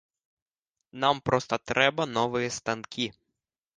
Нам проста трэба новыя станкі!